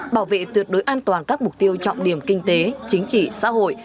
bảo vệ tuyệt đối an toàn các mục tiêu trọng điểm kinh tế chính trị xã hội